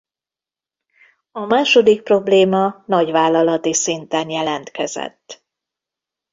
A második probléma nagyvállalati szinten jelentkezett.